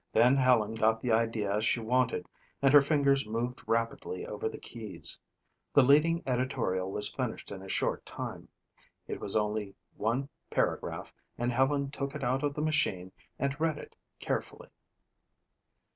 Then Helen got the idea she wanted and her fingers moved rapidly over the keys. The leading editorial was finished in a short time. It was only one paragraph and Helen took it out of the machine and read it carefully.